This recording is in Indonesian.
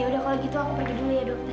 ya udah kalau gitu aku pergi dulu ya dokter